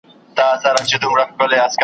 ازل مي مینه پر لمن د ارغوان کرلې .